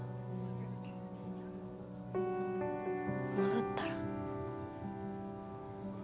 戻ったら。